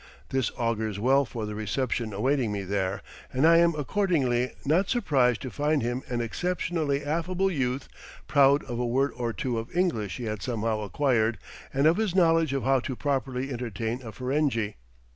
This augurs well for the reception awaiting me there, and I am accordingly not surprised to find him an exceptionally affable youth, proud of a word or two of English he had somehow acquired, and of his knowledge of how to properly entertain a Ferenghi.